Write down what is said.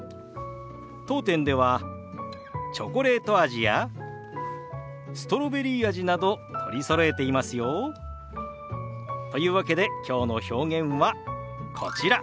当店ではチョコレート味やストロベリー味など取りそろえていますよ。というわけできょうの表現はこちら。